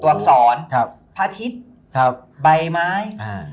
ตวกศรพาทิศใบไม้